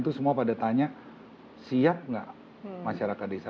itu semua pada tanya siap nggak masyarakat desa